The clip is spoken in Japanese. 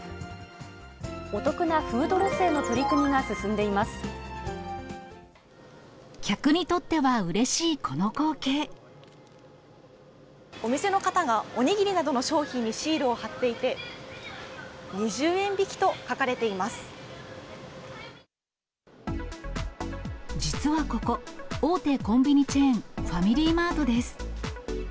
お得なフードロスへの取り組客にとってはうれしいこの光お店の方が、お握りなどの商品にシールを貼っていて、実はここ、大手コンビニチェーン、ファミリーマートです。